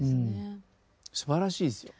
すばらしいですよ。